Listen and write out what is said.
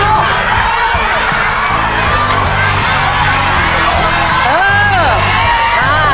อย่างนั้น